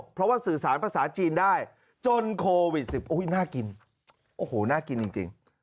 เพราะว่าสื่อสารภาษาจีนได้จนโควิด๑๙น่ากินโอ้โหน่ากินจริง